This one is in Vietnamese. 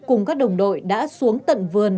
cùng các đồng đội đã xuống tận vườn